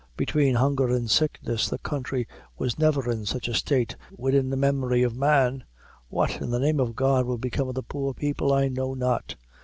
Between hunger and sickness, the counthry was never in such a state widin the memory of man, What, in the name o' God, will become of the poor people, I know not.